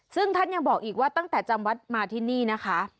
ซึ่งท่านยังบอกอีกว่าตั้งแต่จำวัดมาที่นี่นะคะ